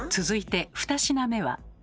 続いて２品目は。